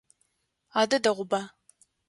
Адэ дэгъуба.